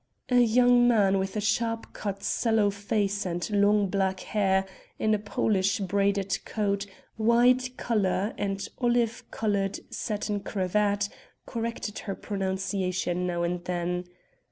A young man with a sharp cut sallow face and long black hair, in a Polish braided coat, wide collar and olive coloured satin cravat, corrected her pronunciation now and then.